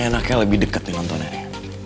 ini enaknya lebih dekat nih nontonannya